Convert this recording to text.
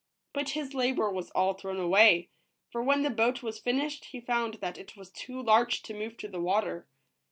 But his labor was all thrown away, for when the boat was finished he found that it was too large to move to the water.